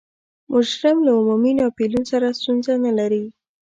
مجرم له عمومي ناپلیون سره ستونزه نلري.